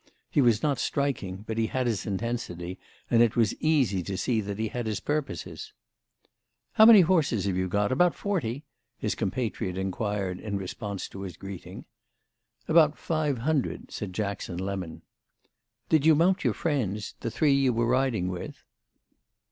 He was not striking, but he had his intensity, and it was easy to see that he had his purposes. "How many horses have you got—about forty?" his compatriot inquired in response to his greeting. "About five hundred," said Jackson Lemon. "Did you mount your friends—the three you were riding with?"